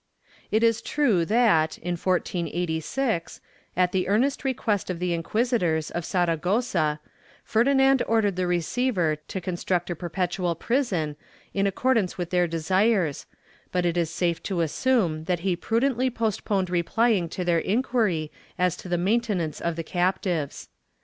It is true that, in 1486, at the earnest request of the inquisitors of Sara gossa, Ferdinand ordered the receiver to construct a perpetual prison, in accordance with their desires, but it is safe to assume that he prudently postponed replying to their inquiry as to the maintenance of the captives.